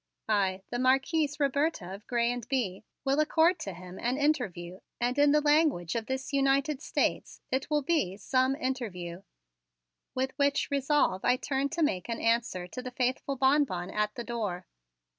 I, the Marquise Roberta of Grez and Bye, will accord to him an interview and in the language of this United States it will be 'some' interview!" With which resolve I turned to make an answer to the faithful Bonbon at the door.